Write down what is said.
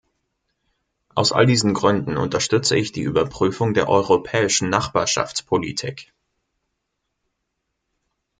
Aus all diesen Gründen unterstütze ich die Überprüfung der Europäischen Nachbarschaftspolitik.